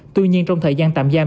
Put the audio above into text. tuy nhiên trong thời gian tạm giam